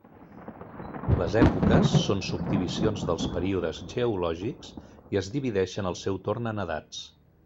Les èpoques són subdivisions dels períodes geològics i es divideixen al seu torn en edats.